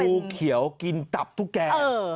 งูเขียวกินตับตุ๊กแก